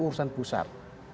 itu urusan pusat